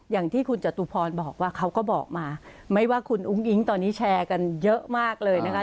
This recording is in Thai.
อย่างที่คุณจตุพรบอกว่าเขาก็บอกมาไม่ว่าคุณอุ้งอิ๊งตอนนี้แชร์กันเยอะมากเลยนะคะ